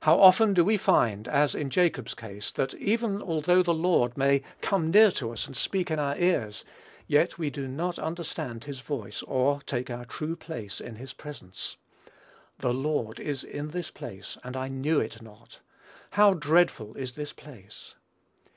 How often do we find, as in Jacob's case, that even although the Lord may come near to us and speak in our ears, yet we do not understand his voice or take our true place in his presence. "The Lord is in this place, and I knew it not.... How dreadful is this place!"